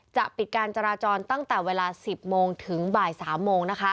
จะปิดการจราจรตั้งแต่เวลา๑๐โมงถึงบ่าย๓โมง